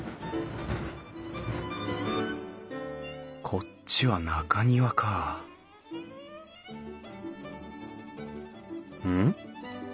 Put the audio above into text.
こっちは中庭かうん？